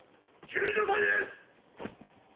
救助隊ですッ！！